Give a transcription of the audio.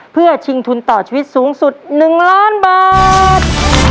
เพื่อชิงทุนต่อชีวิตสูงสุด๑ล้านบาท